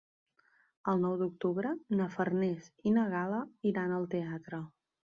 El nou d'octubre na Farners i na Gal·la iran al teatre.